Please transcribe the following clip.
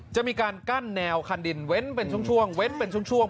จะมีการกั้นแนวคันดินเว้นเป็นช่วง